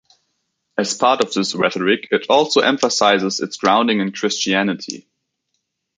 As part of this rhetoric it also emphasises its grounding in Christianity.